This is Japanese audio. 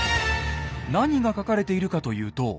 何が書かれているかというと。